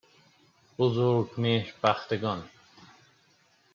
بزرگمهر بختگان